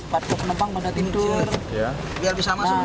padahal penumpang pada tidur